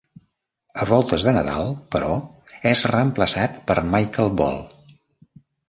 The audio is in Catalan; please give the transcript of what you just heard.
A voltes de Nadal, però, és reemplaçat per Michael Ball.